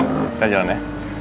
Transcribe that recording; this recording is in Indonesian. sampai jalan ya